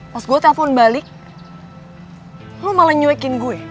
pas gue telpon balik lo malah nyuekin gue